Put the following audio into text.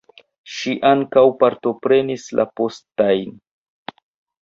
Ŝi ankaŭ partoprenis la postajn.